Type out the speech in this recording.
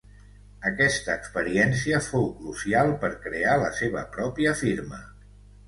Aquesta experiència fou crucial per crear la seva pròpia firma.